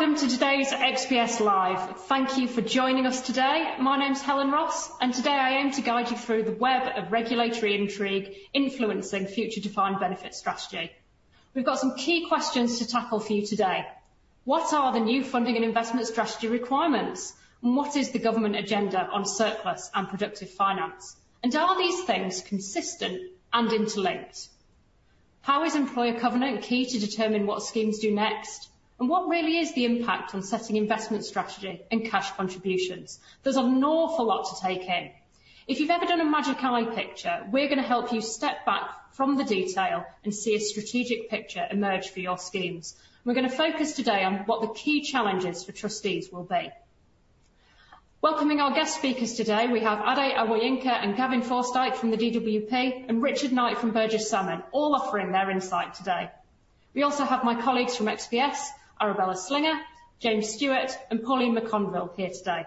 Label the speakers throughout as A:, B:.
A: Welcome to today's XPS Live. Thank you for joining us today. My name's Helen Ross, and today I aim to guide you through the web of regulatory intrigue influencing future defined benefit strategy. We've got some key questions to tackle for you today: What are the new funding and investment strategy requirements? And what is the government agenda on surplus and productive finance? And are these things consistent and interlinked? How is employer covenant key to determine what schemes do next? And what really is the impact on setting investment strategy and cash contributions? There's an awful lot to take in. If you've ever done a Magic Eye picture, we're gonna help you step back from the detail and see a strategic picture emerge for your schemes. We're gonna focus today on what the key challenges for trustees will be. Welcoming our guest speakers today, we have Ade Awoyinka and Gavin Forsdyke from the DWP, and Richard Knight from Burges Salmon, all offering their insight today. We also have my colleagues from XPS, Arabella Slinger, James Stewart, and Pauline McConville here today.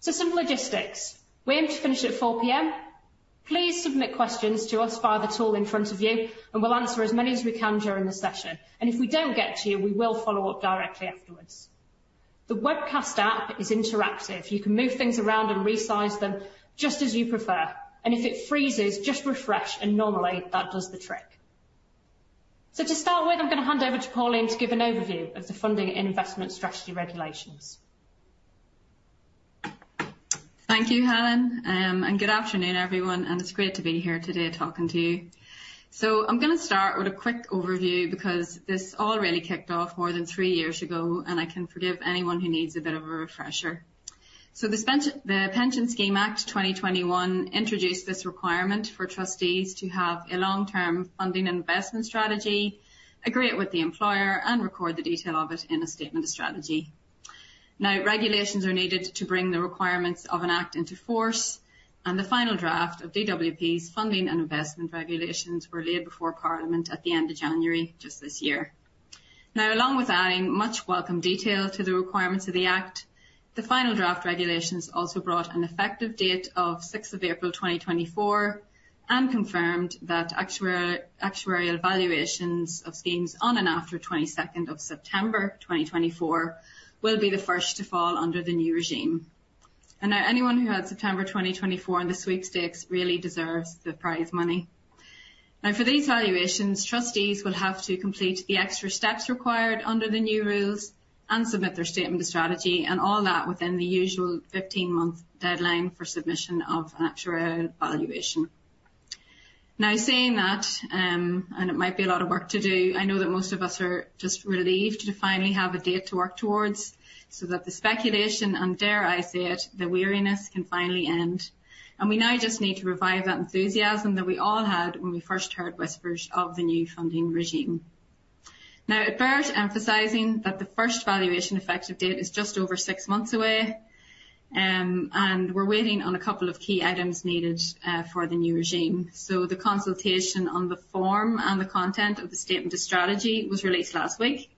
A: So some logistics. We aim to finish at 4:00 P.M. Please submit questions to us via the tool in front of you, and we'll answer as many as we can during the session, and if we don't get to you, we will follow up directly afterwards. The webcast app is interactive. You can move things around and resize them just as you prefer, and if it freezes, just refresh, and normally that does the trick. So to start with, I'm gonna hand over to Pauline to give an overview of the funding and investment strategy regulations.
B: Thank you, Helen, and good afternoon, everyone, and it's great to be here today talking to you. I'm gonna start with a quick overview because this all really kicked off more than three years ago, and I can forgive anyone who needs a bit of a refresher. The Pension Schemes Act 2021 introduced this requirement for trustees to have a long-term funding and investment strategy, agree it with the employer and record the detail of it in a Statement of Strategy. Now, regulations are needed to bring the requirements of an Act into force, and the final draft of DWP's funding and investment regulations were laid before Parliament at the end of January, just this year. Now, along with adding much welcome detail to the requirements of the Act, the final draft regulations also brought an effective date of 6th of April 2024 and confirmed that actuarial, actuarial valuations of schemes on and after 22nd of September 2024 will be the first to fall under the new regime. Now anyone who had September 2024 on the sweepstakes really deserves the prize money. Now, for these valuations, trustees will have to complete the extra steps required under the new rules and submit their Statement of Strategy, and all that within the usual 15-month deadline for submission of an actuarial valuation. Now, saying that, and it might be a lot of work to do, I know that most of us are just relieved to finally have a date to work towards so that the speculation, and dare I say it, the weariness can finally end, and we now just need to revive that enthusiasm that we all had when we first heard whispers of the new funding regime. Now, it bears emphasizing that the first valuation effective date is just over six months away, and we're waiting on a couple of key items needed for the new regime. So the consultation on the form and the content of the Statement of Strategy was released last week.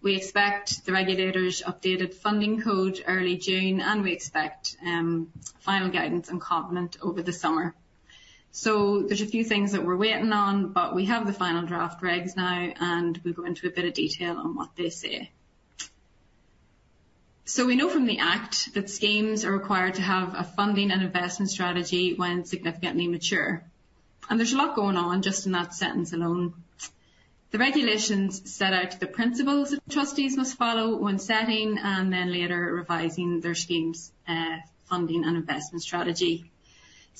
B: We expect the Regulator's updated Funding Code early June, and we expect final guidance and covenant over the summer. So there's a few things that we're waiting on, but we have the final draft regs now, and we'll go into a bit of detail on what they say. So we know from the Act that schemes are required to have a funding and investment strategy when significantly mature, and there's a lot going on just in that sentence alone. The regulations set out the principles that trustees must follow when setting and then later revising their scheme's funding and investment strategy.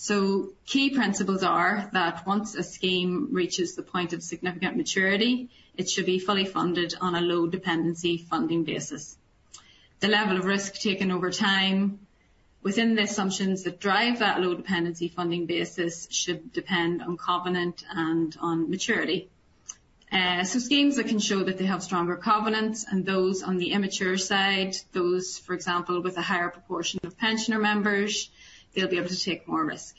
B: So key principles are that once a scheme reaches the point of significant maturity, it should be fully funded on a low dependency funding basis. The level of risk taken over time within the assumptions that drive that low dependency funding basis should depend on covenant and on maturity. So schemes that can show that they have stronger covenants and those on the immature side, those, for example, with a higher proportion of pensioner members, they'll be able to take more risk.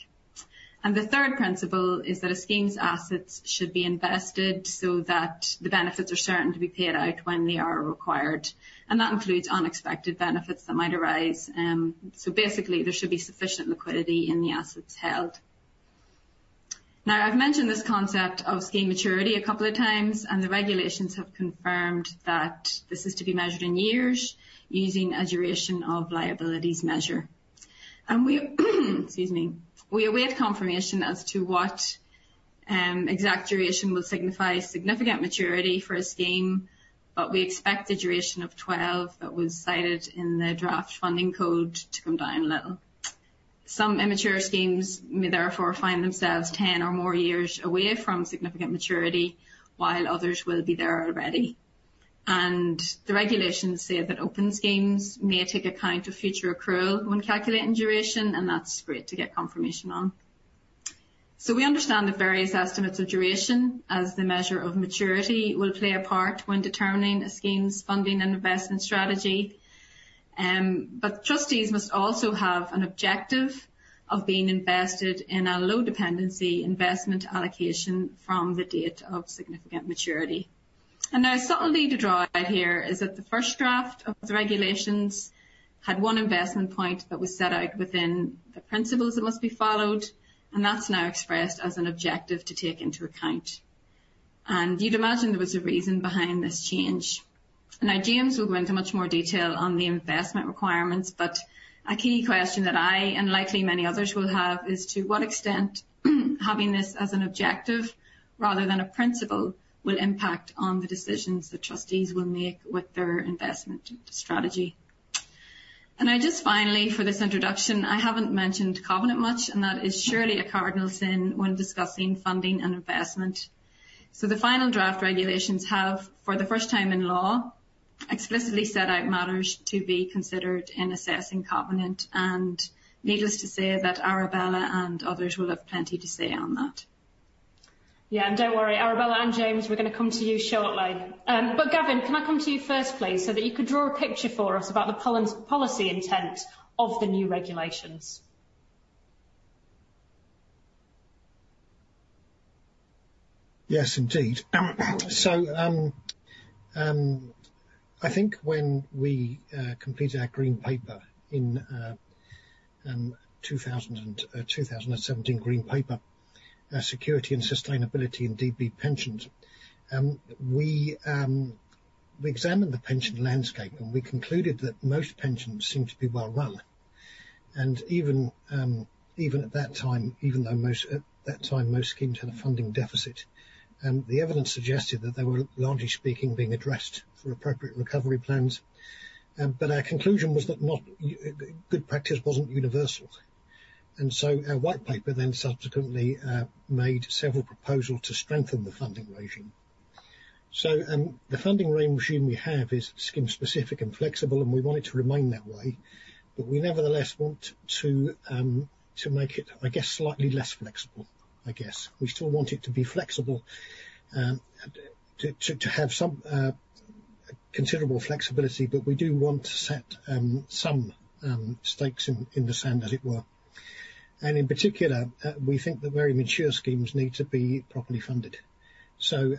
B: And the third principle is that a scheme's assets should be invested so that the benefits are certain to be paid out when they are required, and that includes unexpected benefits that might arise. So basically, there should be sufficient liquidity in the assets held. Now, I've mentioned this concept of scheme maturity a couple of times, and the regulations have confirmed that this is to be measured in years using a duration of liabilities measure. We await confirmation as to what exact duration will signify significant maturity for a scheme, but we expect a duration of 12 that was cited in the draft Funding Code to come down a little. Some immature schemes may therefore find themselves 10 or more years away from significant maturity, while others will be there already. And the regulations say that open schemes may take account of future accrual when calculating duration, and that's great to get confirmation on. So we understand the various estimates of duration as the measure of maturity will play a part when determining a scheme's funding and investment strategy. But trustees must also have an objective of being invested in a low dependency investment allocation from the date of significant maturity. And now, subtlety to draw out here is that the first draft of the regulations had one investment point that was set out within the principles that must be followed, and that's now expressed as an objective to take into account. And you'd imagine there was a reason behind this change... Now, James will go into much more detail on the investment requirements, but a key question that I, and likely many others will have, is to what extent having this as an objective rather than a principle, will impact on the decisions that trustees will make with their investment strategy? And I just finally, for this introduction, I haven't mentioned covenant much, and that is surely a cardinal sin when discussing funding and investment. So the final draft regulations have, for the first time in law, explicitly set out matters to be considered in assessing covenant, and needless to say, that Arabella and others will have plenty to say on that.
A: Yeah, and don't worry, Arabella and James, we're gonna come to you shortly. But Gavin, can I come to you first, please, so that you could draw a picture for us about the pension policy intent of the new regulations?
C: Yes, indeed. So, I think when we completed our Green Paper in 2017 Green Paper, Security and Sustainability in DB Pensions, we examined the pension landscape, and we concluded that most pensions seem to be well run. And even at that time, even though most at that time, most schemes had a funding deficit, the evidence suggested that they were, largely speaking, being addressed through appropriate recovery plans. But our conclusion was that good practice wasn't universal. And so our White Paper then subsequently made several proposals to strengthen the funding regime. So, the funding regime we have is scheme-specific and flexible, and we want it to remain that way, but we nevertheless want to make it, I guess, slightly less flexible, I guess. We still want it to be flexible, to have some considerable flexibility, but we do want to set some stakes in the sand, as it were. And in particular, we think that very mature schemes need to be properly funded. So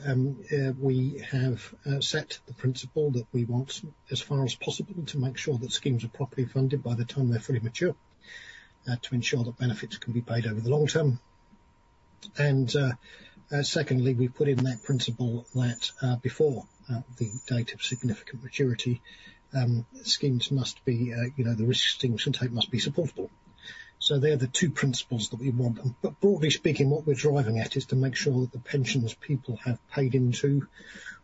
C: we have set the principle that we want, as far as possible, to make sure that schemes are properly funded by the time they're fully mature, to ensure that benefits can be paid over the long term. And secondly, we've put in that principle that before the date of significant maturity, schemes must be, you know, the risk taken must be supportable. So they are the two principles that we want. Broadly speaking, what we're driving at is to make sure that the pensions people have paid into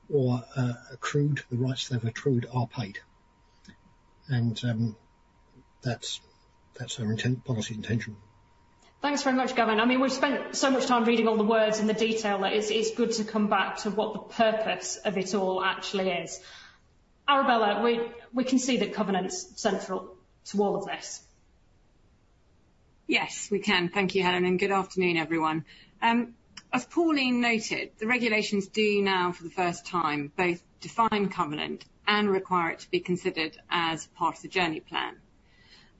C: or accrued, the rights they've accrued, are paid. That's our intent, policy intention.
A: Thanks very much, Gavin. I mean, we've spent so much time reading all the words and the detail that it's good to come back to what the purpose of it all actually is. Arabella, we can see that covenant's central to all of this.
D: Yes, we can. Thank you, Helen, and good afternoon, everyone. As Pauline noted, the regulations do now, for the first time, both define covenant and require it to be considered as part of the journey plan.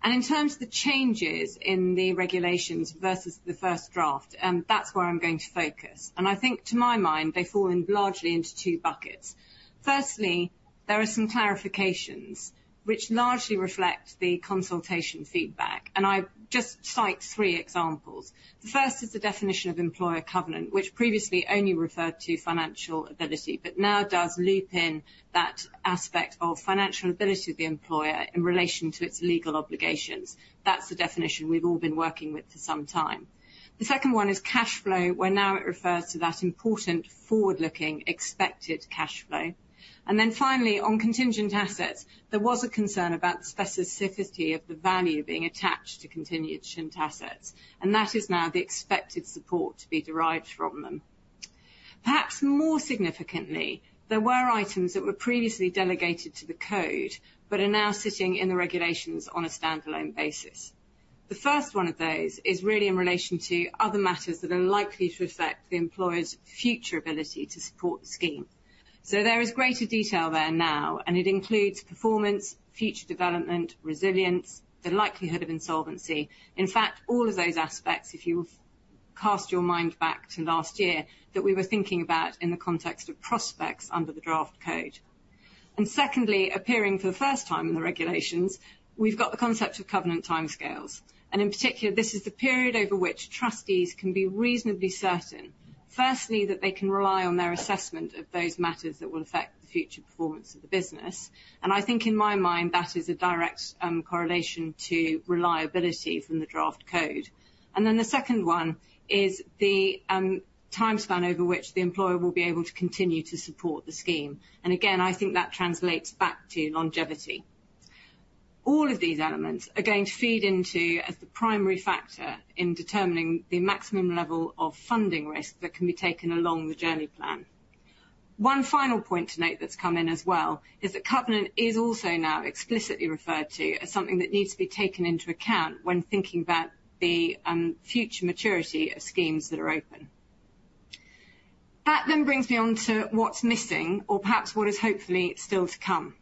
D: In terms of the changes in the regulations versus the first draft, and that's where I'm going to focus. I think to my mind, they fall in largely into two buckets. Firstly, there are some clarifications which largely reflect the consultation feedback, and I just cite three examples. The first is the definition of employer covenant, which previously only referred to financial ability, but now does loop in that aspect of financial ability of the employer in relation to its legal obligations. That's the definition we've all been working with for some time. The second one is cash flow, where now it refers to that important forward-looking expected cash flow. And then finally, on contingent assets, there was a concern about the specificity of the value being attached to contingent assets, and that is now the expected support to be derived from them. Perhaps more significantly, there were items that were previously delegated to the Code, but are now sitting in the regulations on a standalone basis. The first one of those is really in relation to other matters that are likely to affect the employer's future ability to support the scheme. So there is greater detail there now, and it includes performance, future development, resilience, the likelihood of insolvency. In fact, all of those aspects, if you cast your mind back to last year, that we were thinking about in the context of prospects under the draft Code. And secondly, appearing for the first time in the regulations, we've got the concept of covenant timescales. In particular, this is the period over which trustees can be reasonably certain, firstly, that they can rely on their assessment of those matters that will affect the future performance of the business. I think in my mind, that is a direct correlation to reliability from the draft Code. Then the second one is the time span over which the employer will be able to continue to support the scheme. Again, I think that translates back to longevity. All of these elements are going to feed into as the primary factor in determining the maximum level of funding risk that can be taken along the journey plan. One final point to note that's come in as well, is that covenant is also now explicitly referred to as something that needs to be taken into account when thinking about the future maturity of schemes that are open. That then brings me on to what's missing, or perhaps what is hopefully still to come.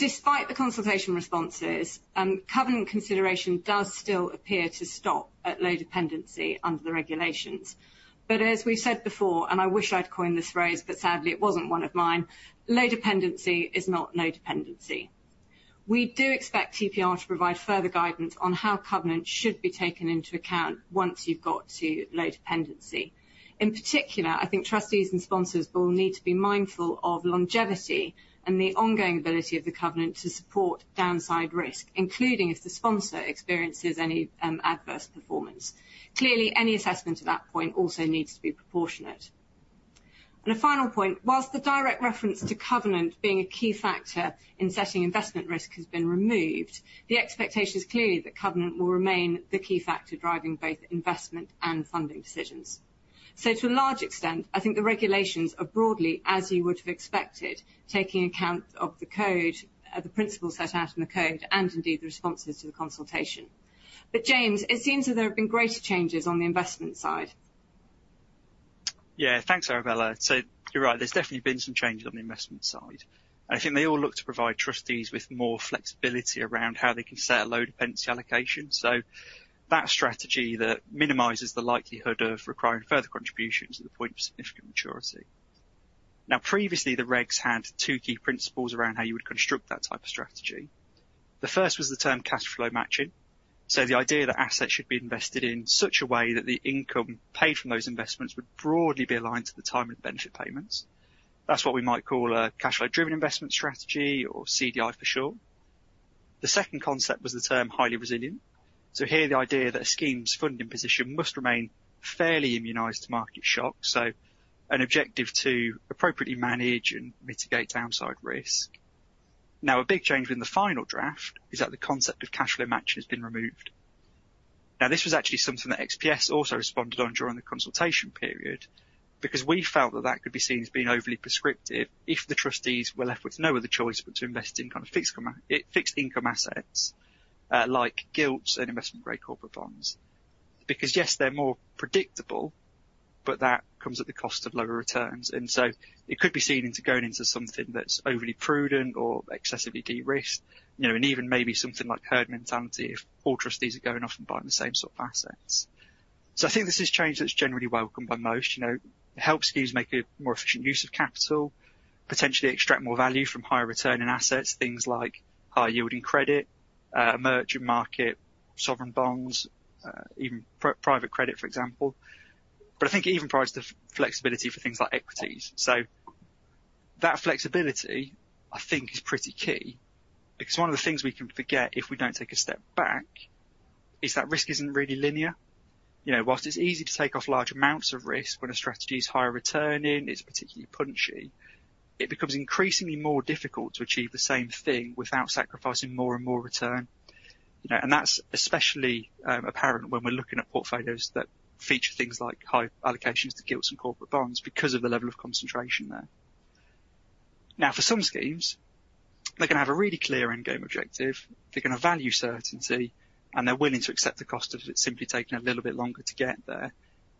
D: Despite the consultation responses, covenant consideration does still appear to stop at low dependency under the regulations. But as we've said before, and I wish I'd coined this phrase, but sadly it wasn't one of mine: Low dependency is not no dependency. We do expect TPR to provide further guidance on how covenants should be taken into account once you've got to low dependency. In particular, I think trustees and sponsors will need to be mindful of longevity and the ongoing ability of the covenant to support downside risk, including if the sponsor experiences any adverse performance. Clearly, any assessment at that point also needs to be proportionate. And a final point, while the direct reference to covenant being a key factor in setting investment risk has been removed, the expectation is clearly that covenant will remain the key factor driving both investment and funding decisions. So to a large extent, I think the regulations are broadly as you would have expected, taking account of the Code, the principles set out in the Code, and indeed, the responses to the consultation. But James, it seems that there have been greater changes on the investment side.
E: Yeah, thanks, Arabella. So you're right, there's definitely been some changes on the investment side. I think they all look to provide trustees with more flexibility around how they can set a low dependency allocation, so that strategy that minimizes the likelihood of requiring further contributions to the point of significant maturity. Now, previously, the regs had two key principles around how you would construct that type of strategy. The first was the term cash flow matching. So the idea that assets should be invested in such a way that the income paid from those investments would broadly be aligned to the time of benefit payments. That's what we might call a cash flow-driven investment strategy or CDI for sure. The second concept was the term highly resilient. So here, the idea that a scheme's funding position must remain fairly immunized to market shock, so an objective to appropriately manage and mitigate downside risk. Now, a big change in the final draft is that the concept of cash flow matching has been removed. Now, this was actually something that XPS also responded on during the consultation period, because we felt that that could be seen as being overly prescriptive if the trustees were left with no other choice but to invest in kind of fixed income assets, like gilts and investment-grade corporate bonds. Because, yes, they're more predictable, but that comes at the cost of lower returns, and so it could be seen as going into something that's overly prudent or excessively de-risked, you know, and even maybe something like herd mentality, if all trustees are going off and buying the same sort of assets. So I think this is change that's generally welcomed by most. You know, it helps schemes make a more efficient use of capital, potentially extract more value from higher returning assets, things like high yielding credit, emerging market sovereign bonds, even private credit, for example. But I think it even provides the flexibility for things like equities. So that flexibility, I think, is pretty key, because one of the things we can forget if we don't take a step back, is that risk isn't really linear. You know, whilst it's easy to take off large amounts of risk when a strategy is higher returning, it's particularly punchy, it becomes increasingly more difficult to achieve the same thing without sacrificing more and more return. You know, and that's especially apparent when we're looking at portfolios that feature things like high allocations to gilts and corporate bonds because of the level of concentration there. Now, for some schemes, they're gonna have a really clear end game objective. They're gonna value certainty, and they're willing to accept the cost of it simply taking a little bit longer to get there.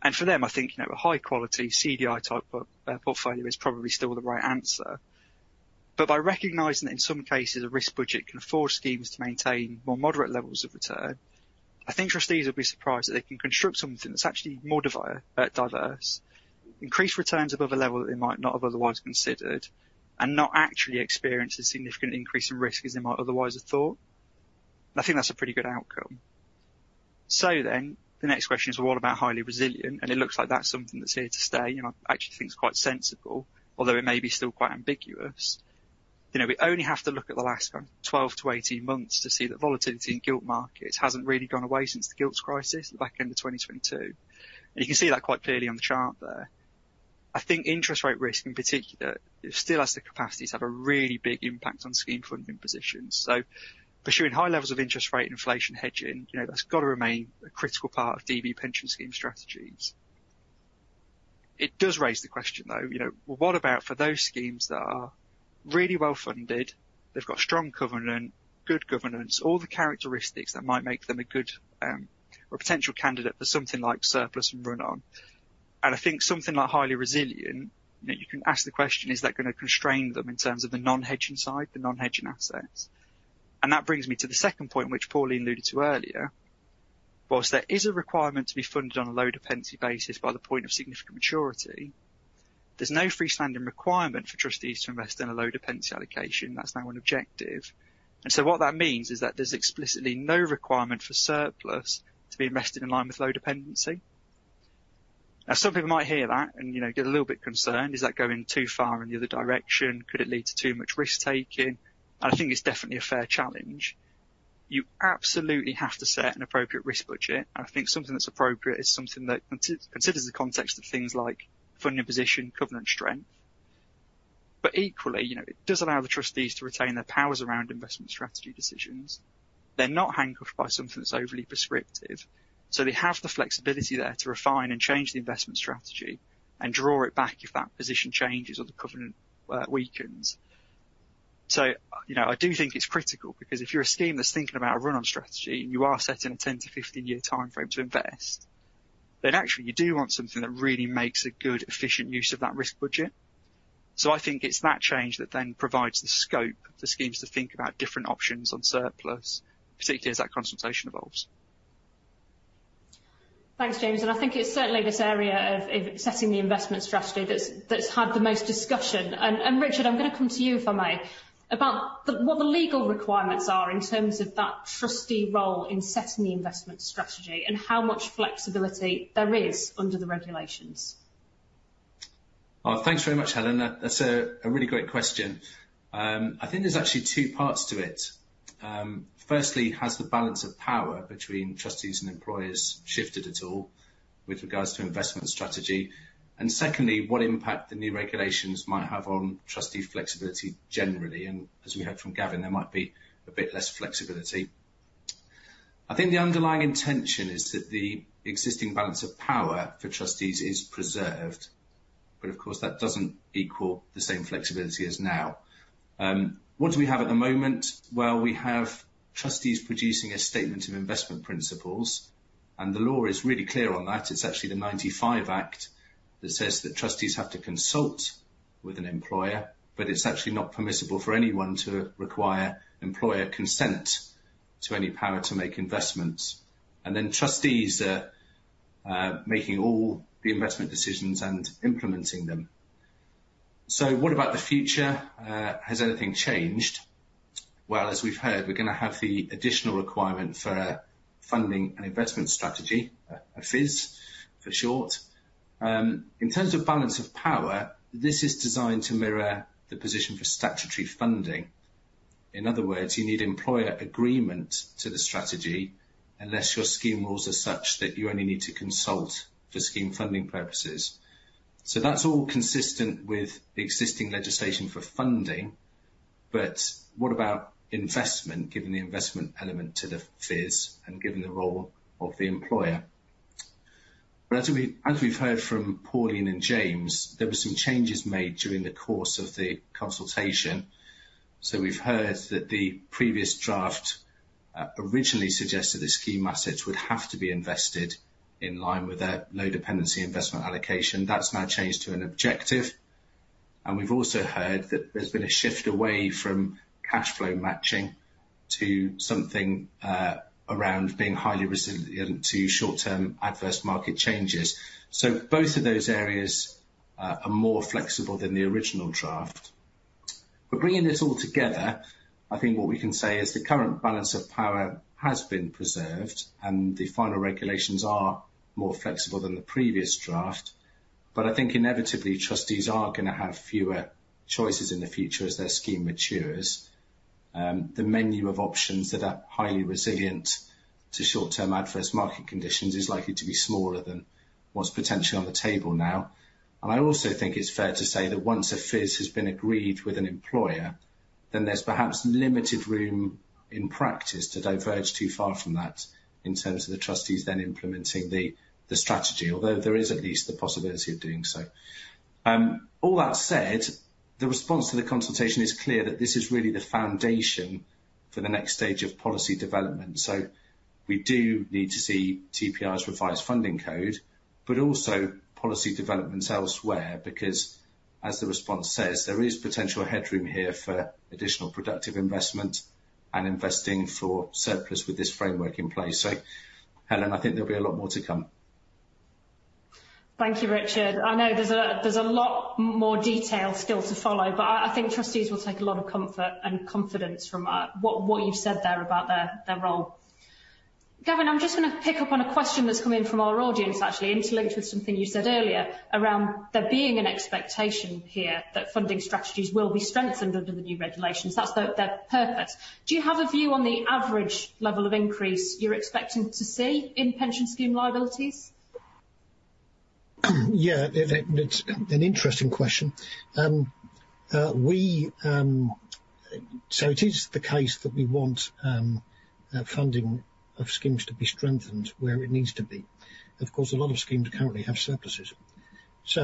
E: And for them, I think, you know, a high-quality CDI-type portfolio is probably still the right answer. But by recognizing that in some cases, a risk budget can afford schemes to maintain more moderate levels of return, I think trustees will be surprised that they can construct something that's actually more diverse, increase returns above a level that they might not have otherwise considered, and not actually experience a significant increase in risk as they might otherwise have thought. I think that's a pretty good outcome. So then, the next question is, what about highly resilient? And it looks like that's something that's here to stay, and I actually think it's quite sensible, although it may be still quite ambiguous. You know, we only have to look at the last kind of 12-18 months to see that volatility in gilt markets hasn't really gone away since the gilts crisis back end of 2022. And you can see that quite clearly on the chart there. I think interest rate risk, in particular, it still has the capacity to have a really big impact on scheme funding positions. So pursuing high levels of interest rate and inflation hedging, you know, that's got to remain a critical part of DB pension scheme strategies. It does raise the question, though, you know, well, what about for those schemes that are really well-funded, they've got strong covenant, good governance, all the characteristics that might make them a good, or potential candidate for something like surplus and run-on? And I think something like highly resilient, you know, you can ask the question: is that gonna constrain them in terms of the non-hedging side, the non-hedging assets? And that brings me to the second point, which Pauline alluded to earlier. Whilst there is a requirement to be funded on a low dependency basis by the point of significant maturity, there's no freestanding requirement for trustees to invest in a low dependency allocation. That's now an objective. And so what that means is that there's explicitly no requirement for surplus to be invested in line with low dependency. Now, some people might hear that and, you know, get a little bit concerned. Is that going too far in the other direction? Could it lead to too much risk-taking? And I think it's definitely a fair challenge. You absolutely have to set an appropriate risk budget, and I think something that's appropriate is something that considers the context of things like funding position, covenant strength. But equally, you know, it does allow the trustees to retain their powers around investment strategy decisions. They're not handcuffed by something that's overly prescriptive, so they have the flexibility there to refine and change the investment strategy and draw it back if that position changes or the covenant weakens. So, you know, I do think it's critical because if you're a scheme that's thinking about a run-on strategy and you are setting a 10- to 15-year timeframe to invest, then actually you do want something that really makes a good, efficient use of that risk budget. So I think it's that change that then provides the scope for schemes to think about different options on surplus, particularly as that consultation evolves....
A: Thanks, James. I think it's certainly this area of setting the investment strategy that's had the most discussion. And Richard, I'm gonna come to you, if I may, about what the legal requirements are in terms of that trustee role in setting the investment strategy and how much flexibility there is under the regulations.
F: Thanks very much, Helen. That's a really great question. I think there's actually two parts to it. Firstly, has the balance of power between trustees and employers shifted at all with regards to investment strategy? And secondly, what impact the new regulations might have on trustee flexibility generally, and as we heard from Gavin, there might be a bit less flexibility. I think the underlying intention is that the existing balance of power for trustees is preserved, but of course, that doesn't equal the same flexibility as now. What do we have at the moment? Well, we have trustees producing a Statement of Investment Principles, and the law is really clear on that. It's actually the 1995 Act that says that trustees have to consult with an employer, but it's actually not permissible for anyone to require employer consent to any power to make investments. And then trustees are making all the investment decisions and implementing them. So what about the future? Has anything changed? Well, as we've heard, we're gonna have the additional requirement for funding and investment strategy, a FIS for short. In terms of balance of power, this is designed to mirror the position for statutory funding. In other words, you need employer agreement to the strategy, unless your scheme rules are such that you only need to consult for scheme funding purposes. So that's all consistent with the existing legislation for funding. But what about investment, given the investment element to the FIS and given the role of the employer? But as we, as we've heard from Pauline and James, there were some changes made during the course of the consultation. So we've heard that the previous draft originally suggested that scheme assets would have to be invested in line with their low dependency investment allocation. That's now changed to an objective, and we've also heard that there's been a shift away from cash flow matching to something around being highly resilient to short-term adverse market changes. So both of those areas are more flexible than the original draft. But bringing this all together, I think what we can say is the current balance of power has been preserved, and the final regulations are more flexible than the previous draft. But I think inevitably, trustees are gonna have fewer choices in the future as their scheme matures. The menu of options that are highly resilient to short-term adverse market conditions is likely to be smaller than what's potentially on the table now. And I also think it's fair to say that once a FIS has been agreed with an employer, then there's perhaps limited room in practice to diverge too far from that in terms of the trustees then implementing the, the strategy, although there is at least the possibility of doing so. All that said, the response to the consultation is clear that this is really the foundation for the next stage of policy development. So we do need to see TPR's revised Funding Code, but also policy developments elsewhere, because, as the response says, there is potential headroom here for additional productive investment and investing for surplus with this framework in place. So, Helen, I think there'll be a lot more to come.
A: Thank you, Richard. I know there's a lot more detail still to follow, but I think trustees will take a lot of comfort and confidence from what you've said there about their role. Gavin, I'm just gonna pick up on a question that's come in from our audience, actually interlinked with something you said earlier around there being an expectation here that funding strategies will be strengthened under the new regulations. That's their purpose. Do you have a view on the average level of increase you're expecting to see in pension scheme liabilities?
C: Yeah, it's an interesting question. So it is the case that we want funding of schemes to be strengthened where it needs to be. Of course, a lot of schemes currently have surpluses, so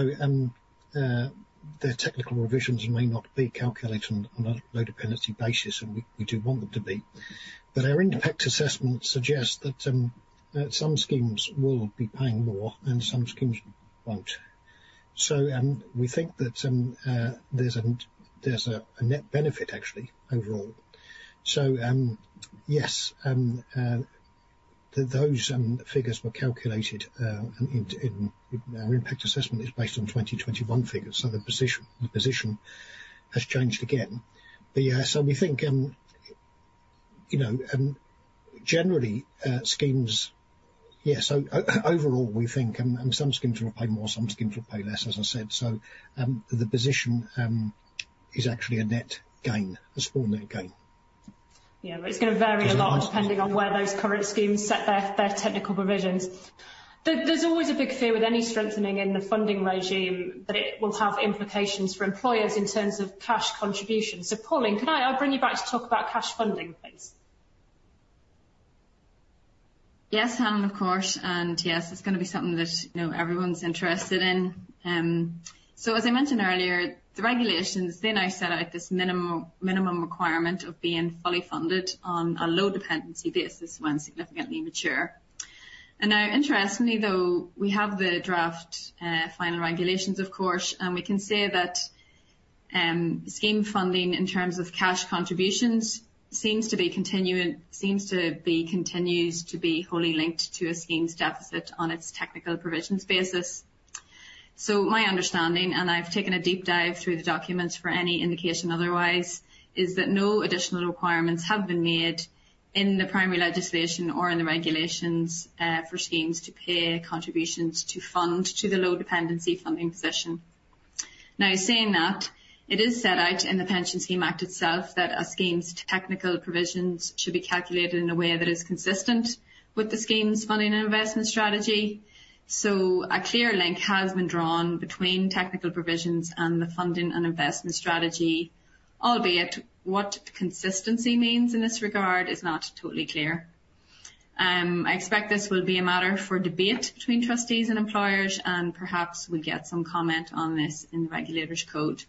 C: their technical provisions may not be calculated on a low dependency basis, and we do want them to be. But our impact assessment suggests that some schemes will be paying more and some schemes won't. So we think that there's a net benefit actually overall. So yes, those figures were calculated in our impact assessment is based on 2021 figures, so the position has changed again. But yeah, so we think you know generally schemes. Yeah, so overall, we think, some schemes will pay more, some schemes will pay less, as I said. So, the position is actually a net gain, a small net gain.
A: Yeah, but it's gonna vary a lot-
C: Yes...
A: depending on where those current schemes set their technical provisions. There's always a big fear with any strengthening in the funding regime that it will have implications for employers in terms of cash contributions. So, Pauline, could I bring you back to talk about cash funding, please?
B: Yes, Helen, of course, and yes, it's gonna be something that, you know, everyone's interested in. So as I mentioned earlier, the regulations, they now set out this minimum, minimum requirement of being fully funded on a low dependency basis when significantly mature. And now, interestingly, though, we have the draft, final regulations, of course, and we can say that scheme funding in terms of cash contributions, seems to be continuing, seems to be continues to be wholly linked to a scheme's deficit on its technical provisions basis. So my understanding, and I've taken a deep dive through the documents for any indication otherwise, is that no additional requirements have been made in the primary legislation or in the regulations, for schemes to pay contributions to fund to the low dependency funding position. Now, saying that, it is set out in the Pension Schemes Act itself, that a scheme's technical provisions should be calculated in a way that is consistent with the scheme's funding and investment strategy. So a clear link has been drawn between technical provisions and the funding and investment strategy, albeit what consistency means in this regard is not totally clear. I expect this will be a matter for debate between trustees and employers, and perhaps we get some comment on this in the regulator's Code.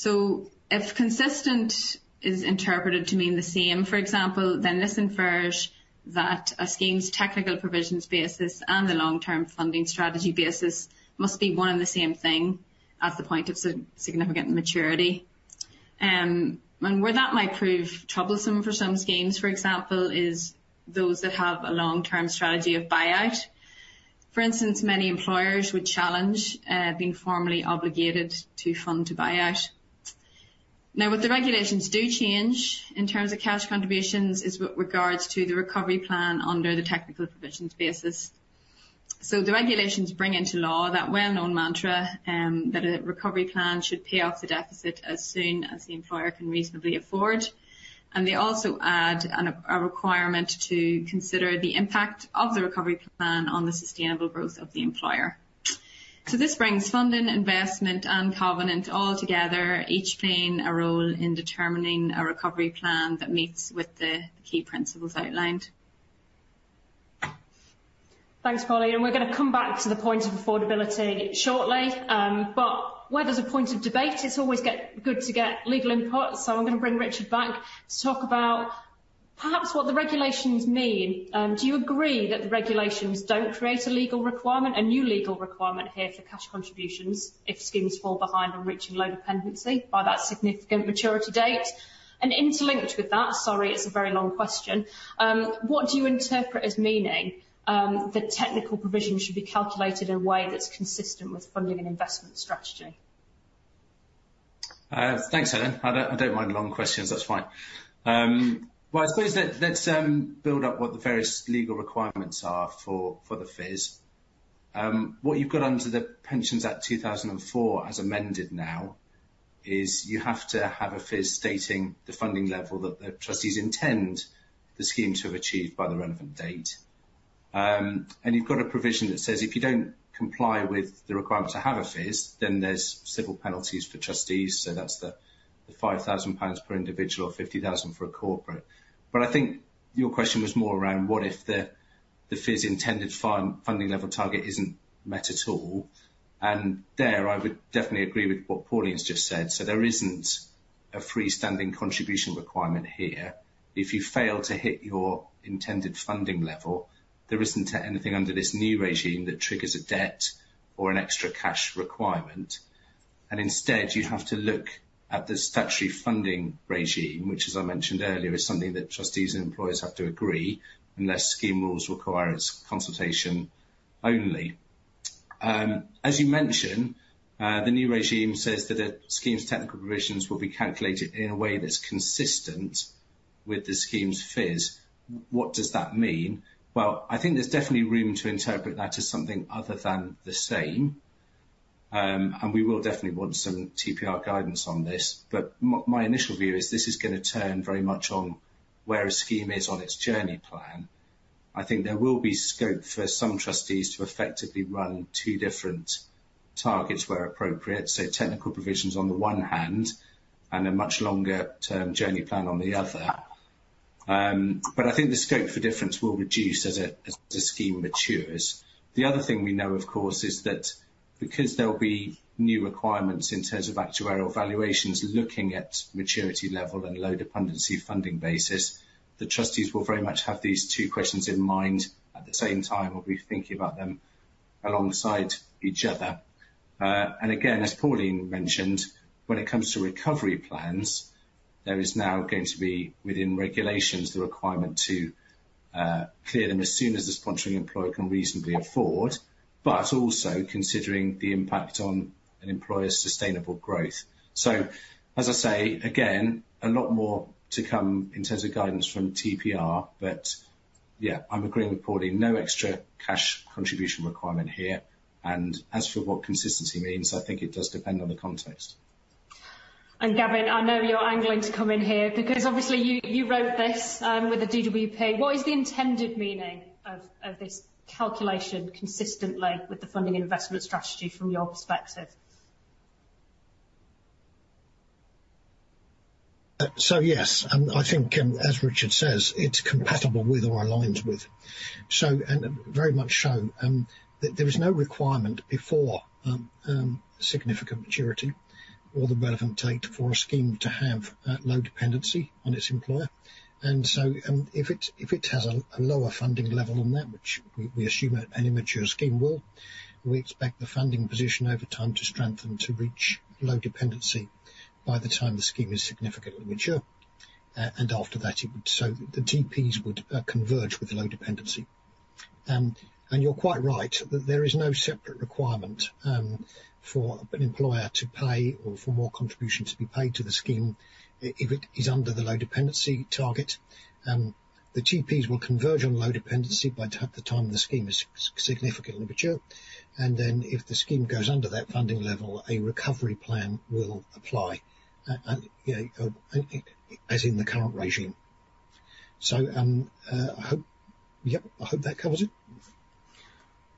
B: So if consistent is interpreted to mean the same, for example, then this infers that a scheme's technical provisions basis and the long-term funding strategy basis must be one and the same thing as the point of significant maturity. And where that might prove troublesome for some schemes, for example, is those that have a long-term strategy of buyout. For instance, many employers would challenge being formally obligated to fund to buyout. Now, what the regulations do change in terms of cash contributions, is with regards to the recovery plan under the technical provisions basis. So the regulations bring into law that well-known mantra, that a recovery plan should pay off the deficit as soon as the employer can reasonably afford. And they also add an requirement to consider the impact of the recovery plan on the sustainable growth of the employer. So this brings funding, investment, and covenant all together, each playing a role in determining a recovery plan that meets with the key principles outlined.
A: Thanks, Pauline. And we're gonna come back to the point of affordability shortly. But where there's a point of debate, it's always good to get legal input. So I'm gonna bring Richard back to talk about perhaps what the regulations mean. Do you agree that the regulations don't create a legal requirement, a new legal requirement here for cash contributions, if schemes fall behind on reaching low dependency by that significant maturity date? And interlinked with that, sorry, it's a very long question. What do you interpret as meaning that technical provisions should be calculated in a way that's consistent with funding and investment strategy?
F: Thanks, Helen. I don't mind long questions. That's fine. Well, I suppose let's build up what the various legal requirements are for the FIS. What you've got under the Pensions Act 2004, as amended now, is you have to have a FIS stating the funding level that the trustees intend the scheme to have achieved by the relevant date. And you've got a provision that says, if you don't comply with the requirement to have a FIS, then there's civil penalties for trustees. So that's the 5,000 pounds per individual, or 50,000 for a corporate. But I think your question was more around, what if the FIS intended funding level target isn't met at all? And there, I would definitely agree with what Pauline has just said. So there isn't a freestanding contribution requirement here. If you fail to hit your intended funding level, there isn't anything under this new regime that triggers a debt or an extra cash requirement. And instead, you have to look at the statutory funding regime, which, as I mentioned earlier, is something that trustees and employers have to agree, unless scheme rules require its consultation only. As you mentioned, the new regime says that a scheme's technical provisions will be calculated in a way that's consistent with the scheme's FIS. What does that mean? Well, I think there's definitely room to interpret that as something other than the same. And we will definitely want some TPR guidance on this. But my initial view is this is gonna turn very much on where a scheme is on its journey plan. I think there will be scope for some trustees to effectively run two different targets where appropriate. So technical provisions on the one hand, and a much longer-term journey plan on the other. But I think the scope for difference will reduce as the scheme matures. The other thing we know, of course, is that because there will be new requirements in terms of actuarial valuations, looking at maturity level and low dependency funding basis, the trustees will very much have these two questions in mind. At the same time, will be thinking about them alongside each other. And again, as Pauline mentioned, when it comes to recovery plans, there is now going to be, within regulations, the requirement to clear them as soon as the sponsoring employer can reasonably afford, but also considering the impact on an employer's sustainable growth. So as I say, again, a lot more to come in terms of guidance from TPR, but yeah, I'm agreeing with Pauline. No extra cash contribution requirement here. As for what consistency means, I think it does depend on the context.
A: Gavin, I know you're angling to come in here because obviously, you wrote this with the DWP. What is the intended meaning of this calculation consistently with the funding and investment strategy from your perspective?
C: So yes, and I think, as Richard says, it's compatible with or aligns with. Very much so, there is no requirement before significant maturity or the relevant date for a scheme to have low dependency on its employer. And so, if it has a lower funding level than that, which we assume any mature scheme will, we expect the funding position over time to strengthen, to reach low dependency by the time the scheme is significantly mature. And after that, it would, so the TPs would converge with low dependency. And you're quite right, that there is no separate requirement for an employer to pay or for more contribution to be paid to the scheme, if it is under the low dependency target. The TPs will converge on low dependency by the time the scheme is significantly mature, and then if the scheme goes under that funding level, a recovery plan will apply, you know, as in the current regime. So, I hope-- Yep, I hope that covers it.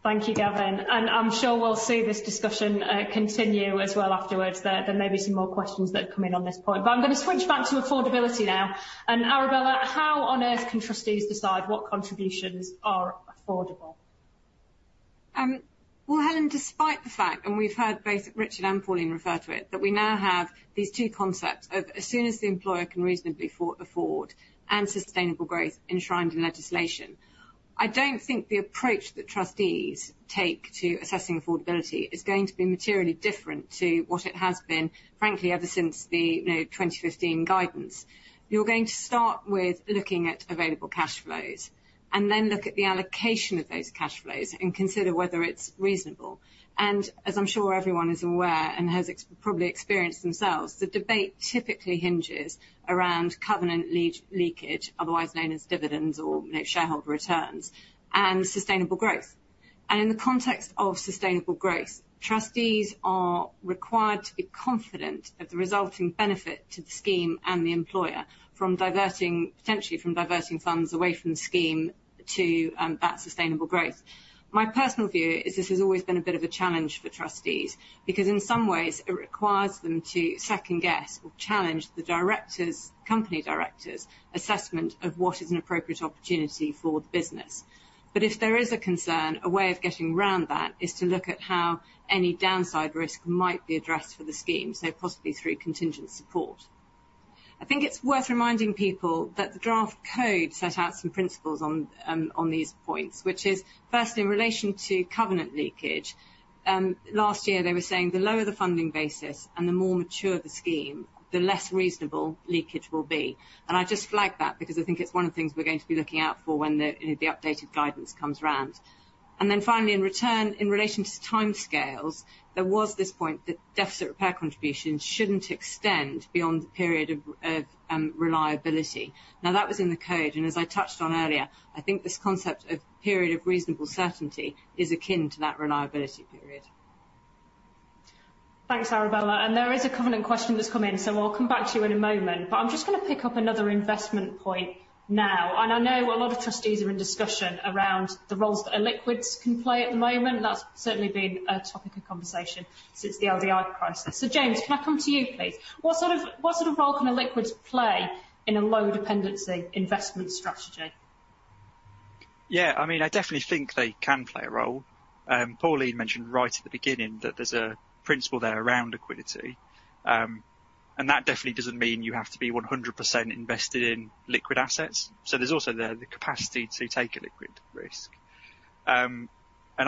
A: Thank you, Gavin, and I'm sure we'll see this discussion continue as well afterwards. There, there may be some more questions that come in on this point, but I'm gonna switch back to affordability now. And, Arabella, how on earth can trustees decide what contributions are affordable?
D: Well, Helen, despite the fact, and we've heard both Richard and Pauline refer to it, that we now have these two concepts of as soon as the employer can reasonably afford and sustainable growth enshrined in legislation. I don't think the approach that trustees take to assessing affordability is going to be materially different to what it has been, frankly, ever since the, you know, 2015 guidance. You're going to start with looking at available cash flows, and then look at the allocation of those cash flows and consider whether it's reasonable. And as I'm sure everyone is aware and has probably experienced themselves, the debate typically hinges around covenant leakage, otherwise known as dividends or, you know, shareholder returns and sustainable growth. In the context of sustainable growth, trustees are required to be confident of the resulting benefit to the scheme and the employer from diverting funds away from the scheme to that sustainable growth. My personal view is this has always been a bit of a challenge for trustees, because in some ways, it requires them to second-guess or challenge the directors, company directors' assessment of what is an appropriate opportunity for the business. But if there is a concern, a way of getting around that is to look at how any downside risk might be addressed for the scheme, so possibly through contingent support. I think it's worth reminding people that the draft Code set out some principles on these points, which is, firstly, in relation to covenant leakage. Last year, they were saying the lower the funding basis and the more mature the scheme, the less reasonable leakage will be. And I just flagged that because I think it's one of the things we're going to be looking out for when the, you know, the updated guidance comes around. And then finally, in return, in relation to timescales, there was this point that deficit repair contributions shouldn't extend beyond the period of reliability. Now, that was in the Code, and as I touched on earlier, I think this concept of period of reasonable certainty is akin to that reliability period.
A: Thanks, Arabella. And there is a covenant question just come in, so I'll come back to you in a moment. But I'm just gonna pick up another investment point now. And I know a lot of trustees are in discussion around the roles that illiquids can play at the moment. That's certainly been a topic of conversation since the LDI crisis. So, James, can I come to you, please? What sort of, what sort of role can illiquids play in a low dependency investment strategy?
E: Yeah, I mean, I definitely think they can play a role. Pauline mentioned right at the beginning that there's a principle there around liquidity. And that definitely doesn't mean you have to be 100% invested in liquid assets. So there's also the capacity to take a liquid risk. And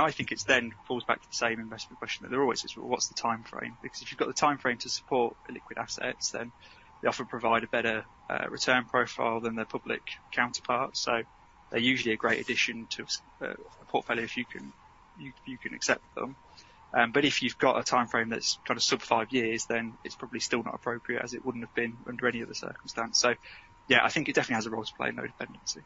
E: I think it's then falls back to the same investment question that there always is, well, what's the time frame? Because if you've got the time frame to support illiquid assets, then they often provide a better return profile than their public counterparts, so they're usually a great addition to a portfolio if you can accept them. But if you've got a time frame that's kind of sub five years, then it's probably still not appropriate as it wouldn't have been under any other circumstance. So yeah, I think it definitely has a role to play in low dependency.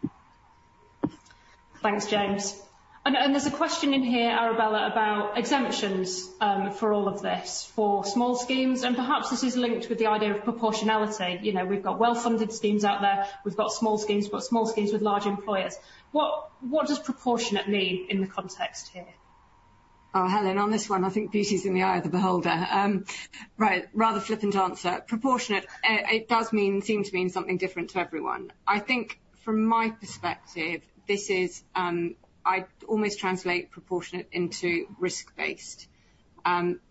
A: Thanks, James. And there's a question in here, Arabella, about exemptions for all of this, for small schemes, and perhaps this is linked with the idea of proportionality. You know, we've got well-funded schemes out there, we've got small schemes, we've got small schemes with large employers. What does proportionate mean in the context here?
D: Oh, Helen, on this one, I think beauty is in the eye of the beholder. Right, rather flippant answer. Proportionate, it does seem to mean something different to everyone. I think from my perspective, this is... I'd almost translate proportionate into risk-based.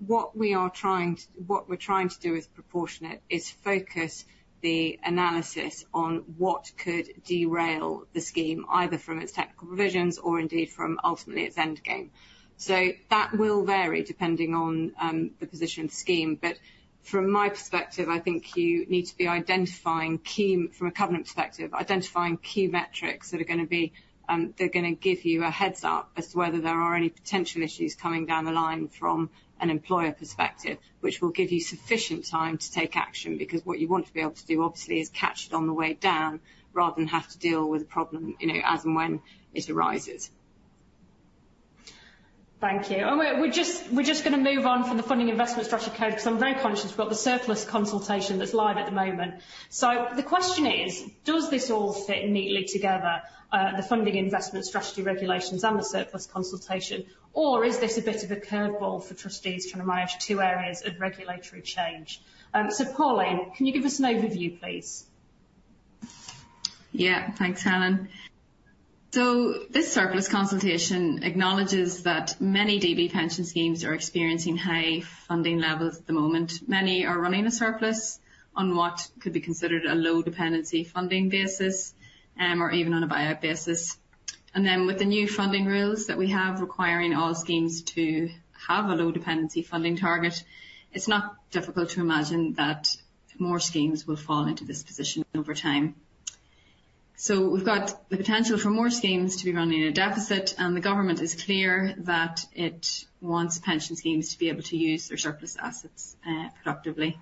D: What we're trying to do with proportionate is focus the analysis on what could derail the scheme, either from its technical provisions or indeed from ultimately its end game. So that will vary depending on the position of the scheme. But from my perspective, I think you need to be identifying key, from a covenant perspective, identifying key metrics that are gonna be, they're gonna give you a heads-up as to whether there are any potential issues coming down the line from an employer perspective, which will give you sufficient time to take action, because what you want to be able to do, obviously, is catch it on the way down rather than have to deal with the problem, you know, as and when it arises.
A: Thank you. And we're just gonna move on from the Funding Investment Strategy Code, because I'm very conscious we've got the surplus consultation that's live at the moment. So the question is, does this all fit neatly together, the funding investment strategy regulations and the surplus consultation, or is this a bit of a curveball for trustees trying to manage two areas of regulatory change? So, Pauline, can you give us an overview, please?
B: Yeah. Thanks, Helen. So this surplus consultation acknowledges that many DB pension schemes are experiencing high funding levels at the moment. Many are running a surplus on what could be considered a low dependency funding basis, or even on a buy-out basis.... And then with the new funding rules that we have, requiring all schemes to have a low dependency funding target, it's not difficult to imagine that more schemes will fall into this position over time. So we've got the potential for more schemes to be running in a deficit, and the government is clear that it wants pension schemes to be able to use their surplus assets, productively.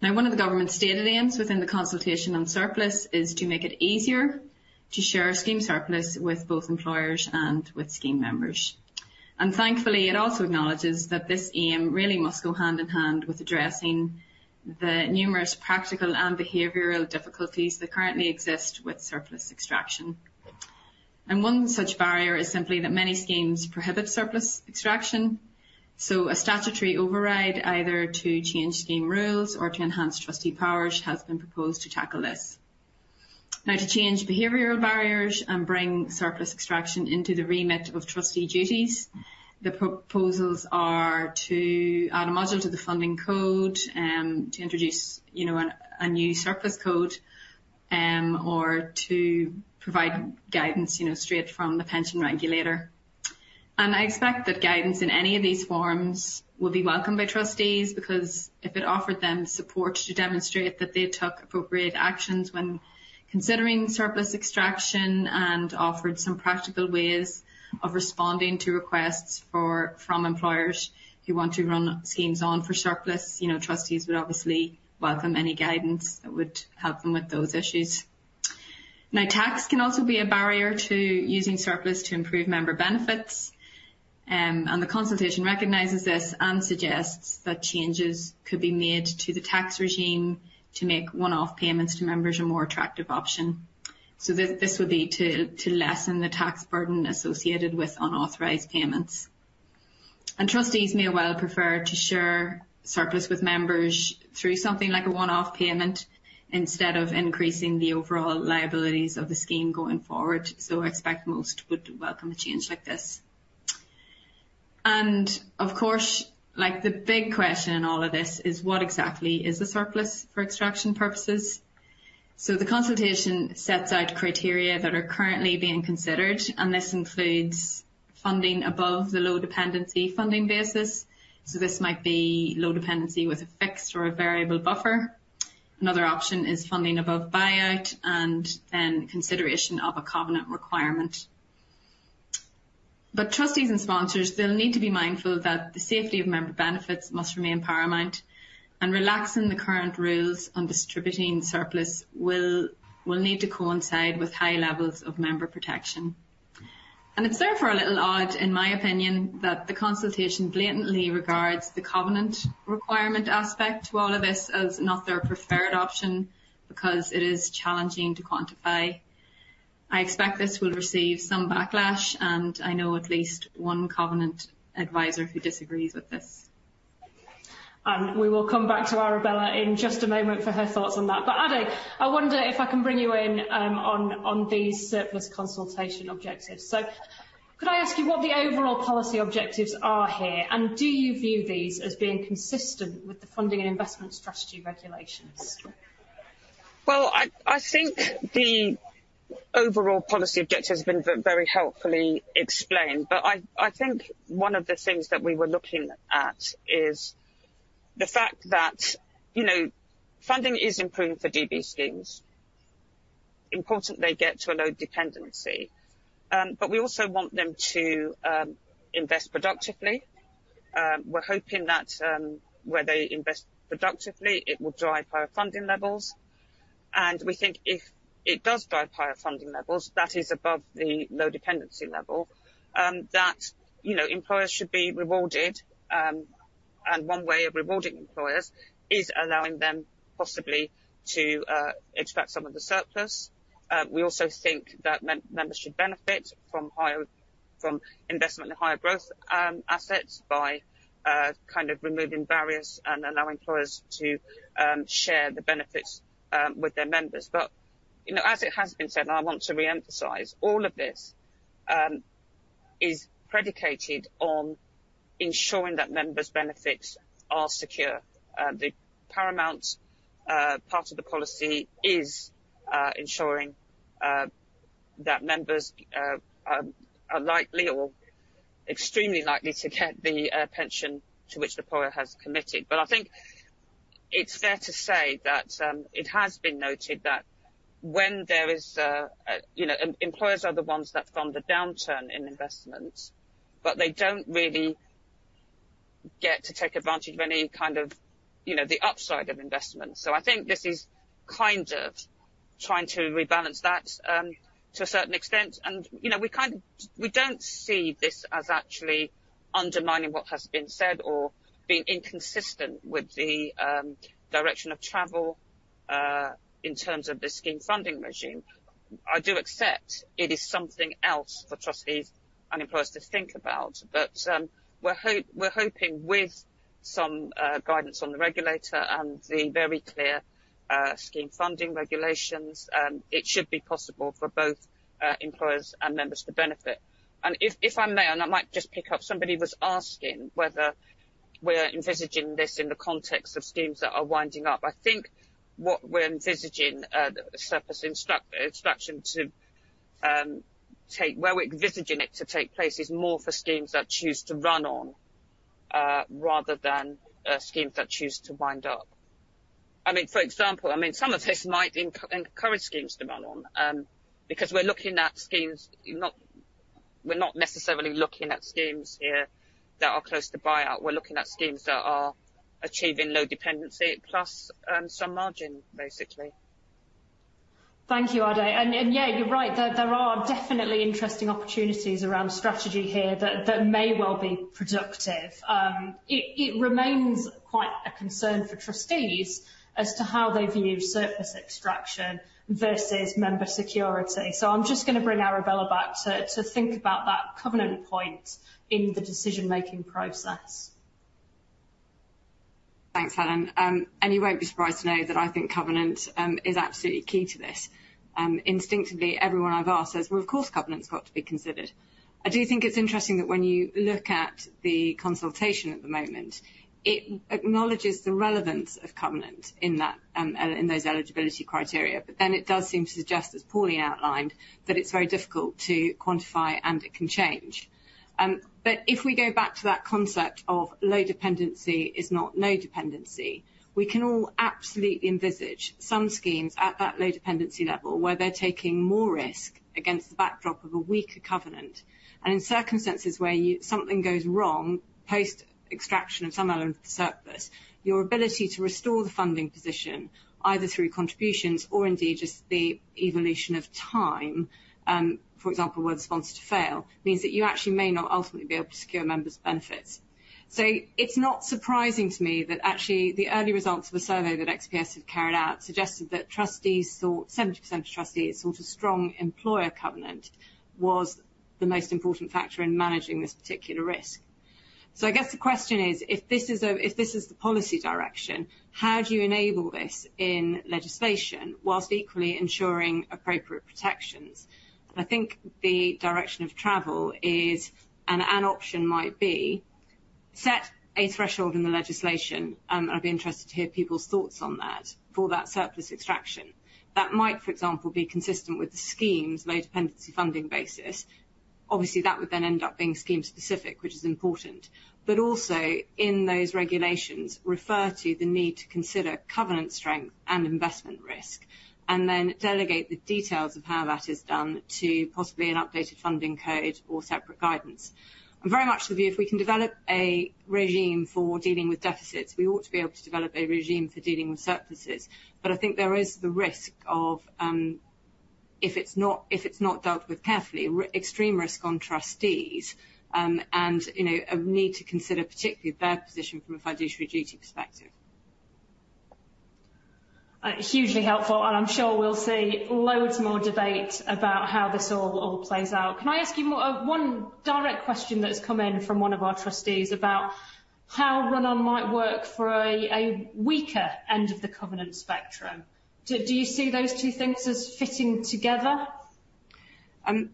B: Now, one of the government's stated aims within the consultation on surplus is to make it easier to share a scheme surplus with both employers and with scheme members. Thankfully, it also acknowledges that this aim really must go hand in hand with addressing the numerous practical and behavioral difficulties that currently exist with surplus extraction. One such barrier is simply that many schemes prohibit surplus extraction, so a statutory override, either to change scheme rules or to enhance trustee powers, has been proposed to tackle this. Now, to change behavioral barriers and bring surplus extraction into the remit of trustee duties, the proposals are to add a module to the Funding Code, to introduce, you know, a new surplus Code, or to provide guidance, you know, straight from the Pensions Regulator. I expect that guidance in any of these forms will be welcomed by trustees, because if it offered them support to demonstrate that they took appropriate actions when considering surplus extraction, and offered some practical ways of responding to requests from employers who want to run-on schemes for surplus, you know, trustees would obviously welcome any guidance that would help them with those issues. Now, tax can also be a barrier to using surplus to improve member benefits, and the consultation recognizes this and suggests that changes could be made to the tax regime to make one-off payments to members a more attractive option. So this would be to lessen the tax burden associated with unauthorized payments. Trustees may well prefer to share surplus with members through something like a one-off payment, instead of increasing the overall liabilities of the scheme going forward. So I expect most would welcome a change like this. And of course, like the big question in all of this is: What exactly is the surplus for extraction purposes? So the consultation sets out criteria that are currently being considered, and this includes funding above the low dependency funding basis, so this might be low dependency with a fixed or a variable buffer. Another option is funding above buyout and then consideration of a covenant requirement. But trustees and sponsors, they'll need to be mindful that the safety of member benefits must remain paramount, and relaxing the current rules on distributing surplus will need to coincide with high levels of member protection. And it's therefore a little odd, in my opinion, that the consultation blatantly regards the covenant requirement aspect to all of this as not their preferred option, because it is challenging to quantify. I expect this will receive some backlash, and I know at least one covenant advisor who disagrees with this.
A: We will come back to Arabella in just a moment for her thoughts on that. But, Ade, I wonder if I can bring you in, on these surplus consultation objectives. Could I ask you what the overall policy objectives are here, and do you view these as being consistent with the funding and investment strategy regulations?
G: Well, I think the overall policy objective has been very helpfully explained, but I think one of the things that we were looking at is the fact that, you know, funding is improved for DB schemes. Important they get to a low dependency, but we also want them to invest productively. We're hoping that, where they invest productively, it will drive higher funding levels. And we think if it does drive higher funding levels, that is above the low dependency level, that, you know, employers should be rewarded. And one way of rewarding employers is allowing them possibly to extract some of the surplus. We also think that members should benefit from higher from investment in higher growth assets by kind of removing barriers and allowing employers to share the benefits with their members. But, you know, as it has been said, and I want to reemphasize, all of this is predicated on ensuring that members' benefits are secure. The paramount part of the policy is ensuring that members are likely or extremely likely to get the pension to which the employer has committed. But I think it's fair to say that it has been noted that when there is a downturn in investments, employers are the ones that fund the downturn in investments, but they don't really get to take advantage of any kind of, you know, the upside of investments. So I think this is kind of trying to rebalance that to a certain extent. You know, we kind of don't see this as actually undermining what has been said or being inconsistent with the direction of travel in terms of the scheme funding regime. I do accept it is something else for trustees and employers to think about, but we're hoping with some guidance on the regulator and the very clear scheme funding regulations, it should be possible for both employers and members to benefit. If I may, I might just pick up, somebody was asking whether we're envisaging this in the context of schemes that are winding up. I think what we're envisaging, surplus extraction to take, where we're envisaging it to take place is more for schemes that choose to run-on rather than schemes that choose to wind up. I mean, for example, I mean, some of this might encourage schemes to run-on, because we're looking at schemes, not—we're not necessarily looking at schemes here that are close to buyout. We're looking at schemes that are achieving low dependency, plus some margin, basically.
A: Thank you, Ade. Yeah, you're right. There are definitely interesting opportunities around strategy here that may well be productive. It remains quite a concern for trustees as to how they view surplus extraction versus member security. So I'm just gonna bring Arabella back to think about that covenant point in the decision-making process.
D: Thanks, Helen. You won't be surprised to know that I think covenant is absolutely key to this. Instinctively, everyone I've asked says, "Well, of course, covenant's got to be considered." I do think it's interesting that when you look at the consultation at the moment, it acknowledges the relevance of covenant in those eligibility criteria, but then it does seem to suggest, as Pauline outlined, that it's very difficult to quantify, and it can change. If we go back to that concept of low dependency is not no dependency, we can all absolutely envisage some schemes at that low dependency level, where they're taking more risk against the backdrop of a weaker covenant. And in circumstances where something goes wrong, post-extraction of some element of the surplus, your ability to restore the funding position, either through contributions or indeed just the evolution of time, for example, were the sponsor to fail, means that you actually may not ultimately be able to secure members' benefits. So it's not surprising to me that actually, the early results of a survey that XPS had carried out suggested that 70% of trustees thought a strong employer covenant was the most important factor in managing this particular risk. So I guess the question is: If this is the policy direction, how do you enable this in legislation whilst equally ensuring appropriate protections? I think the direction of travel is, and an option might be, set a threshold in the legislation. I'd be interested to hear people's thoughts on that, for that surplus extraction. That might, for example, be consistent with the scheme's low dependency funding basis. Obviously, that would then end up being scheme-specific, which is important. But also, in those regulations, refer to the need to consider covenant strength and investment risk, and then delegate the details of how that is done to possibly an updated Funding Code or separate guidance. I'm very much of the view, if we can develop a regime for dealing with deficits, we ought to be able to develop a regime for dealing with surpluses. But I think there is the risk of, if it's not dealt with carefully, extreme risk on trustees, and, you know, a need to consider particularly their position from a fiduciary duty perspective.
A: Hugely helpful, and I'm sure we'll see loads more debate about how this all plays out. Can I ask you more... one direct question that has come in from one of our trustees about how run-on might work for a weaker end of the covenant spectrum. Do you see those two things as fitting together?
D: If it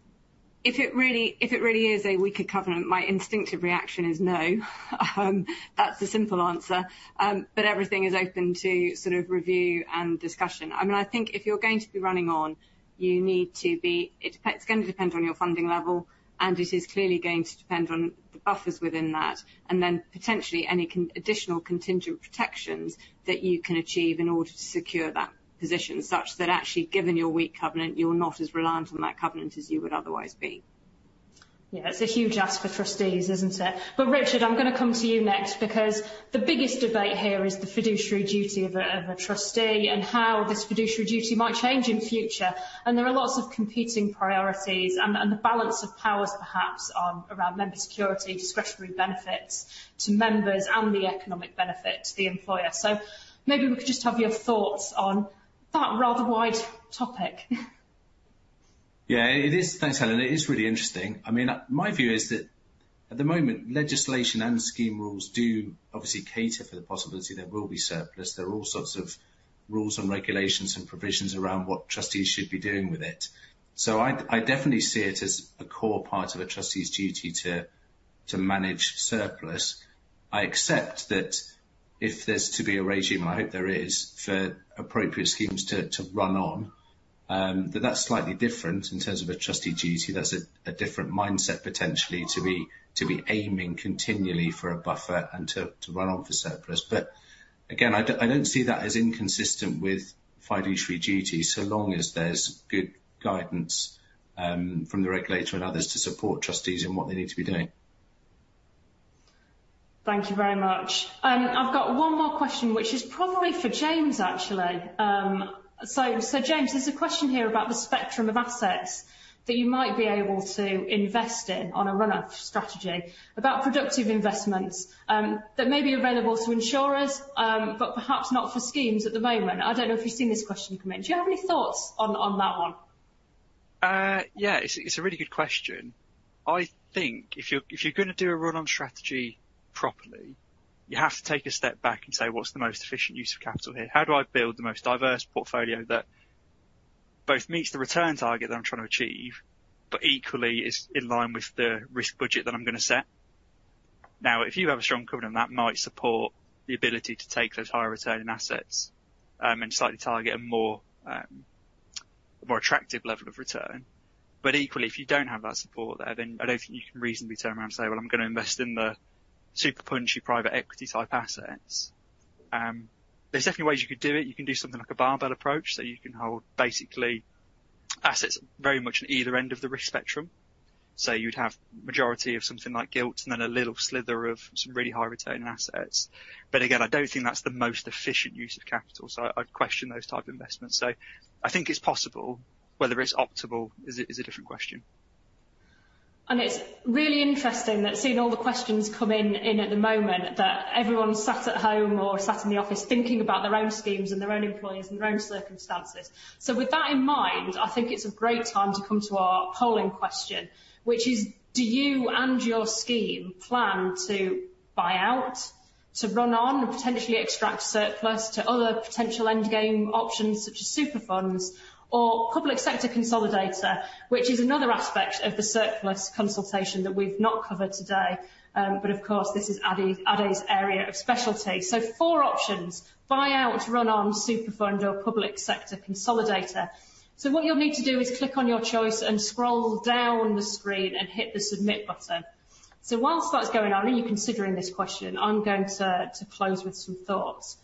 D: really, if it really is a weaker covenant, my instinctive reaction is no. That's the simple answer. But everything is open to sort of review and discussion. I mean, I think if you're going to be running on, you need to be—it's, it's gonna depend on your funding level, and it is clearly going to depend on the buffers within that, and then potentially any additional contingent protections that you can achieve in order to secure that position, such that actually, given your weak covenant, you're not as reliant on that covenant as you would otherwise be.
A: Yeah, it's a huge ask for trustees, isn't it? But, Richard, I'm gonna come to you next, because the biggest debate here is the fiduciary duty of a, of a trustee and how this fiduciary duty might change in future. And there are lots of competing priorities and the, and the balance of powers, perhaps on around member security, discretionary benefits to members and the economic benefit to the employer. So maybe we could just have your thoughts on that rather wide topic.
F: Yeah, it is. Thanks, Helen. It is really interesting. I mean, my view is that at the moment, legislation and scheme rules do obviously cater for the possibility there will be surplus. There are all sorts of rules and regulations and provisions around what trustees should be doing with it. So I definitely see it as a core part of a trustee's duty to manage surplus. I accept that if there's to be a regime, and I hope there is, for appropriate schemes to run-on, that that's slightly different in terms of a trustee duty. That's a different mindset, potentially, to be aiming continually for a buffer and to run-on for surplus. But again, I don't see that as inconsistent with fiduciary duty, so long as there's good guidance from the regulator and others to support trustees in what they need to be doing.
A: Thank you very much. I've got one more question, which is probably for James, actually. So, James, there's a question here about the spectrum of assets that you might be able to invest in on a run-off strategy, about productive investments, that may be available to insurers, but perhaps not for schemes at the moment. I don't know if you've seen this question come in. Do you have any thoughts on that one?
E: Yeah, it's a really good question. I think if you're gonna do a run-on strategy properly, you have to take a step back and say: What's the most efficient use of capital here? How do I build the most diverse portfolio that both meets the return target that I'm trying to achieve, but equally is in line with the risk budget that I'm gonna set. Now, if you have a strong covenant that might support the ability to take those higher returning assets, and slightly target a more attractive level of return. But equally, if you don't have that support there, then I don't think you can reasonably turn around and say, "Well, I'm gonna invest in the super punchy private equity type assets." There's definitely ways you could do it. You can do something like a barbell approach, so you can hold basically assets very much on either end of the risk spectrum. So you'd have majority of something like gilts and then a little sliver of some really high-returning assets. But again, I don't think that's the most efficient use of capital, so I'd question those type of investments. So I think it's possible, whether it's optimal is a, is a different question.
A: And it's really interesting that seeing all the questions come in at the moment, that everyone sat at home or sat in the office thinking about their own schemes and their own employers and their own circumstances. So with that in mind, I think it's a great time to come to our polling question, which is: Do you and your scheme plan to buyout, to run-on and potentially extract surplus to other potential endgame options such as superfunds or Public Sector Consolidator, which is another aspect of the surplus consultation that we've not covered today? But of course, this is Ade's area of specialty. So four options: buyout, run-on, superfund, or Public Sector Consolidator. So what you'll need to do is click on your choice and scroll down the screen and hit the Submit button. So while that's going on and you're considering this question, I'm going to close with some thoughts.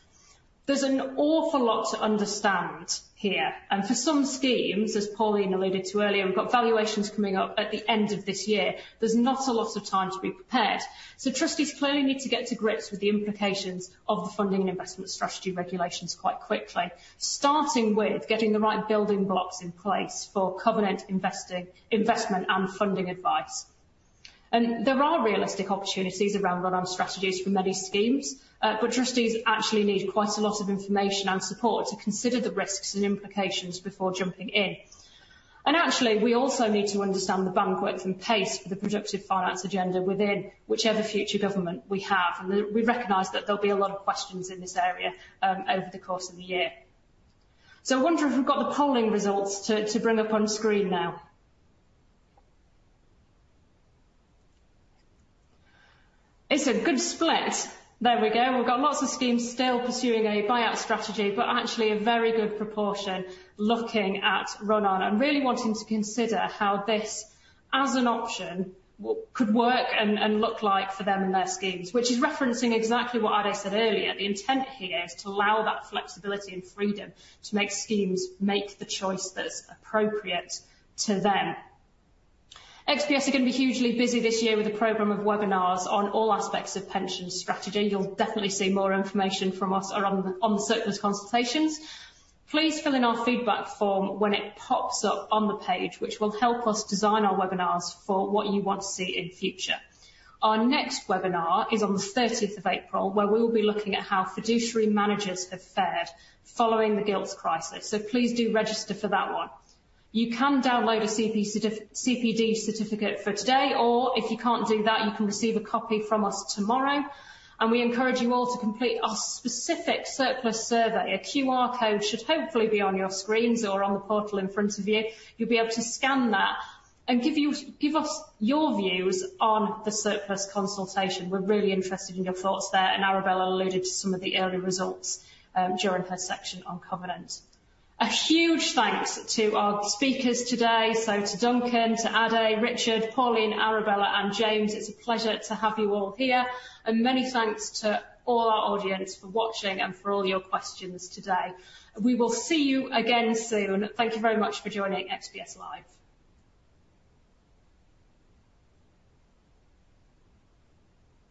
A: There's an awful lot to understand here, and for some schemes, as Pauline alluded to earlier, we've got valuations coming up at the end of this year. There's not a lot of time to be prepared. So trustees clearly need to get to grips with the implications of the funding and investment strategy regulations quite quickly, starting with getting the right building blocks in place for covenant investing, investment and funding advice. And there are realistic opportunities around run-on strategies for many schemes, but trustees actually need quite a lot of information and support to consider the risks and implications before jumping in. And actually, we also need to understand the benchmark and pace for the productive finance agenda within whichever future government we have. And we recognize that there'll be a lot of questions in this area over the course of the year. So I wonder if we've got the polling results to bring up on screen now. It's a good split. There we go. We've got lots of schemes still pursuing a buyout strategy, but actually a very good proportion looking at run-on and really wanting to consider how this, as an option, could work and look like for them and their schemes, which is referencing exactly what Ade said earlier. The intent here is to allow that flexibility and freedom to make schemes make the choice that's appropriate to them. XPS are gonna be hugely busy this year with a program of webinars on all aspects of pension strategy. You'll definitely see more information from us or on the surplus consultations. Please fill in our feedback form when it pops up on the page, which will help us design our webinars for what you want to see in future. Our next webinar is on the thirteenth of April, where we will be looking at how fiduciary managers have fared following the gilts crisis. So please do register for that one. You can download a CPD certificate for today, or if you can't do that, you can receive a copy from us tomorrow. We encourage you all to complete our specific surplus survey. A QR code should hopefully be on your screens or on the portal in front of you. You'll be able to scan that and give us your views on the surplus consultation. We're really interested in your thoughts there, and Arabella alluded to some of the early results during her section on covenant. A huge thanks to our speakers today, so to Duncan, to Ade, Richard, Pauline, Arabella, and James. It's a pleasure to have you all here. Many thanks to all our audience for watching and for all your questions today. We will see you again soon. Thank you very much for joining XPS Live.